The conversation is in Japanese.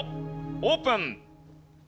オープン！